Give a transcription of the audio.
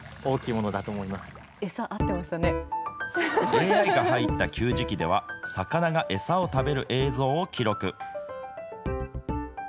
ＡＩが入った給餌機では、魚が餌を食べる映像を記録。